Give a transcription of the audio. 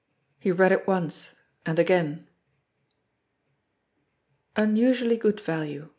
He read it once and again : unusually good value.